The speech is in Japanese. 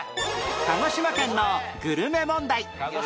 鹿児島県のグルメ問題